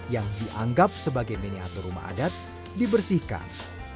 yang dianggap sebagai miniatur rumah adat dibersihkan